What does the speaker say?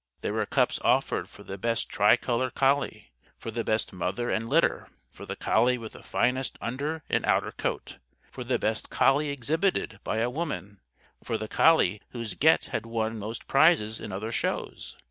There were cups offered for the best tri color collie, for the best mother and litter, for the collie with the finest under and outer coat, for the best collie exhibited by a woman, for the collie whose get had won most prizes in other shows.